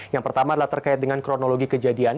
yang pertama adalah terkait dengan kronologi kejadian